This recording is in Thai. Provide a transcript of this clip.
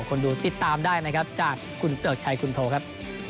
คนดูติดตามได้นะครับจากคุณเกริกชัยคุณโทครับ